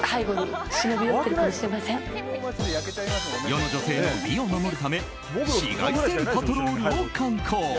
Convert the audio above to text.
世の女性の美を守るため紫外線パトロールを敢行。